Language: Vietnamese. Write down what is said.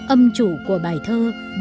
âm chủ của bài thơ